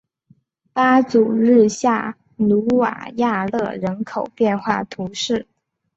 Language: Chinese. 巴祖日下努瓦亚勒人口变化图示